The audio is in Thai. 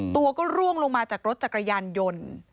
ตัวก็ร่วงลงมาจากรถจักรยานยนต์